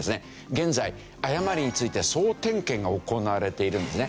現在誤りについて総点検が行われているんですね。